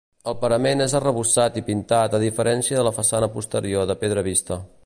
El parament és arrebossat i pintat a diferència de la façana posterior de pedra vista.